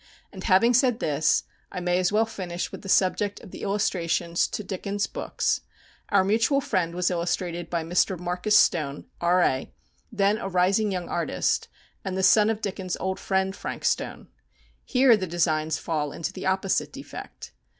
And, having said this, I may as well finish with the subject of the illustrations to Dickens' books. "Our Mutual Friend" was illustrated by Mr. Marcus Stone, R.A., then a rising young artist, and the son of Dickens' old friend, Frank Stone. Here the designs fall into the opposite defect.